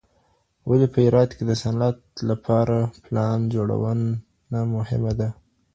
ولي په هرات کي د صنعت لپاره پلان جوړونه مهمه ده؟